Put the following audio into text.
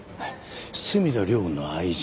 墨田凌雲の愛人